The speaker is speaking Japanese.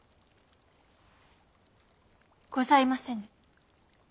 ございませぬ。